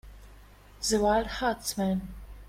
The wild huntsman.